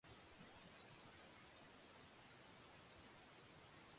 私はあなたを、本当に愛している。